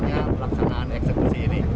ini adalah perlaksanaan eksekusi ini